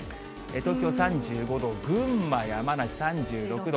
東京３５度、群馬、山梨、３６度。